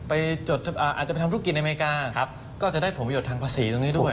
อาจจะไปทำธุรกิจในอเมริกาก็จะได้ผลประโยชน์ทางภาษีตรงนี้ด้วย